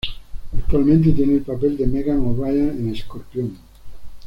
Actualmente tiene el papel de Megan O´Brien en Scorpion.